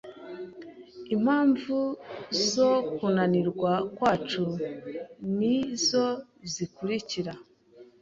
Impamvu zo kunanirwa kwacu nizo zikurikira.